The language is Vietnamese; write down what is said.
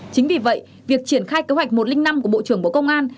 chính vì vậy việc triển khai kế hoạch một trăm linh năm của bộ trưởng bộ công an